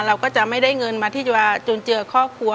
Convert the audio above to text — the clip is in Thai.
เราก็จะไม่ได้เงินมาที่จะจุนเจือครอบครัว